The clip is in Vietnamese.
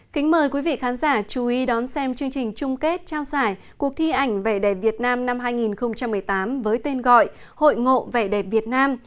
kính mời quý vị khán giả chú ý đón xem chương trình chung kết trao giải cuộc thi ảnh vẻ đẹp việt nam năm hai nghìn một mươi tám với tên gọi hội ngộ vẻ đẹp việt nam